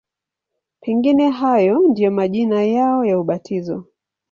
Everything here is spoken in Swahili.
Pengine hayo ndiyo majina yao ya ubatizo.